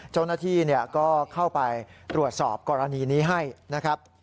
เจ้าหน้าที่ก็เข้าไปตรวจสอบกรณีนี้ให้นะครับ